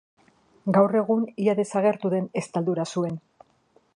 Gaur egun ia desagertu den estaldura zuen.